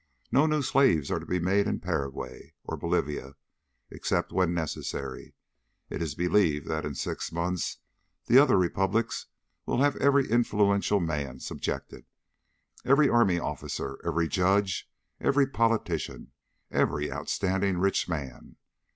No new slaves are to be made in Paraguay or Bolivia, except when necessary. It's believed that in six months the other republics will have every influential man subjected. Every army officer, every judge, every politician, every outstanding rich man....